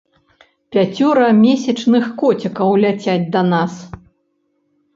Пяцёра месячных коцікаў ляцяць да нас.